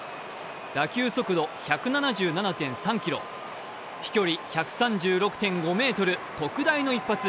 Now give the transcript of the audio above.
打球速度１７７．３キロ、飛距離１３６．５ｍ、特大の一発。